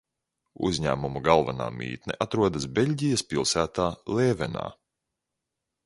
Uzņēmuma galvenā mītne atrodas Beļģijas pilsētā Lēvenā.